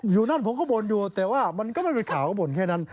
อยู่นั้นผมเค้าบนดูมันก็ไม่เป็นข่าวเค้าบนแค่นั้น